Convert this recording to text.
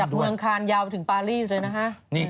จากเมืองคานยาวถึงปารีซเลยนะฮะ